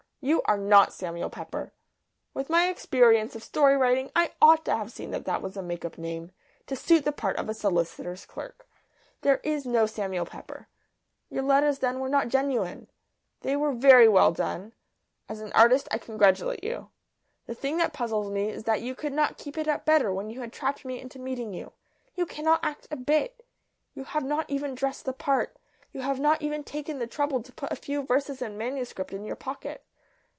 You are not Samuel Pepper. With my experience of story writing I ought to have seen that that was a make up name, to suit the part of a solicitor's clerk. There is no Samuel Pepper. Your letters then were not genuine. They were very well done; as an artist I congratulate you. The thing that puzzles me is that you could not keep it up better when you had trapped me into meeting you. You cannot act a bit. You have not even dressed the part. You have not even taken the trouble to put a few verses in manuscript in your pocket.